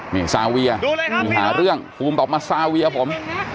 นี่ซาเวียนี่หาเรื่องภูมิบอกมาซาเวียผม